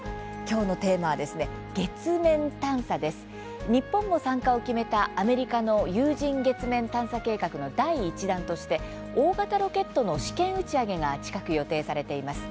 日本も参加を決めたアメリカの有人月面探査計画の第１弾として大型ロケットの試験打ち上げが近く、予定されています。